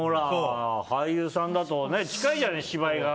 俳優さんだと近いじゃない芝居が。